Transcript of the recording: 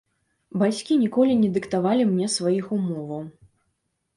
Бацькі ніколі не дыктавалі мне сваіх умоваў.